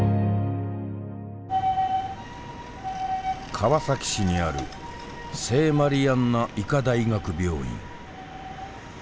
川崎市にある聖マリアンナ医科大学病院。